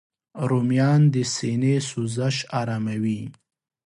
رومیان د سینې سوزش آراموي